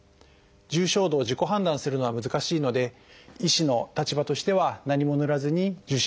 重症度を自己判断するのは難しいので医師の立場としては何も塗らずに受診してほしかったと思います。